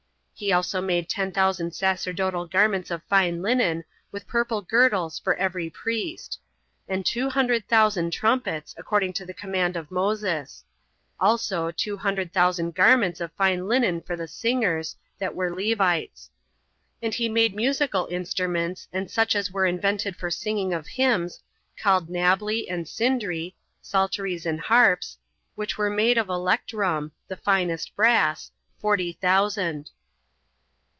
He also made ten thousand sacerdotal garments of fine linen, with purple girdles for every priest; and two hundred thousand trumpets, according to the command of Moses; also two hundred thousand garments of fine linen for the singers, that were Levites. And he made musical instruments, and such as were invented for singing of hymns, called Nablee and Cindree, [psalteries and harps,] which were made of electrum, [the finest brass,] forty thousand.